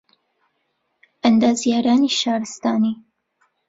ئەندازیارانی شارستانی